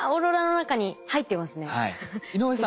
井上さん